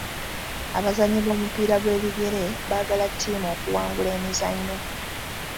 Abazannyi b'omupiira gw'ebigere baagala ttiimu okuwangula emizannyo.